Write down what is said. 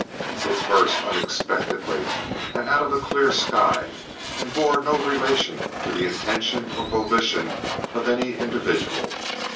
It burst unexpectedly and out of a clear sky, and bore no relation to the intention or volition of any individual.